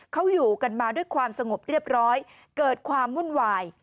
เขาอยู่กันมาด้วยความสงบเรียบร้อยเกิดความวุ่นวาย